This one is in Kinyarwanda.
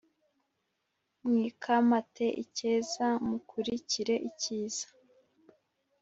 mwikamate icyeza mukurikire icyiza